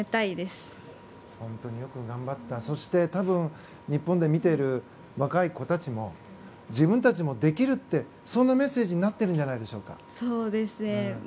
多分、日本で見ている若い子たちも自分たちもできるってそんなメッセージになってるんじゃないでしょうか。